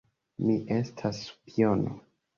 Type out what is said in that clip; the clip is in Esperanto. Mi estas spiono